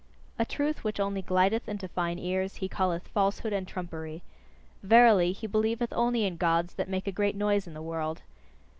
A truth which only glideth into fine ears, he calleth falsehood and trumpery. Verily, he believeth only in Gods that make a great noise in the world!